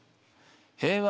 「平和」